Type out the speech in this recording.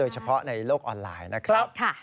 เฉพาะในโลกออนไลน์นะครับ